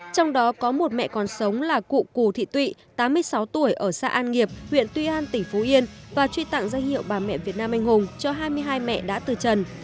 trong đó có một mẹ còn sống là cụ cù thị tụy tám mươi sáu tuổi ở xã an nghiệp huyện tuy an tỉnh phú yên và truy tặng danh hiệu bà mẹ việt nam anh hùng cho hai mươi hai mẹ đã từ trần